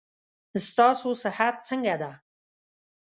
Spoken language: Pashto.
ستاسو صحت څنګه ده.